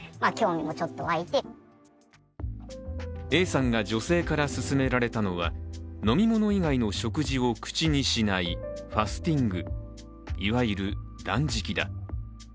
Ａさんが女性から勧められたのは飲み物以外の食事を口にしないファスティングいわゆる断食だ。